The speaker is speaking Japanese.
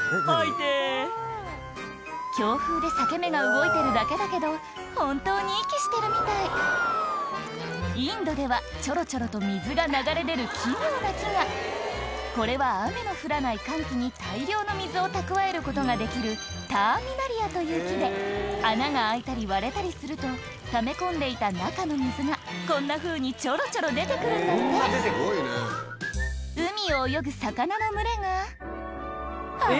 強風で裂け目が動いてるだけだけど本当に息してるみたいインドではちょろちょろと水が流れ出る奇妙な木がこれは雨の降らない乾季に大量の水を蓄えることができるターミナリアという木で穴が開いたり割れたりするとため込んでいた中の水がこんなふうにちょろちょろ出て来るんだって海を泳ぐ魚の群れがあれ？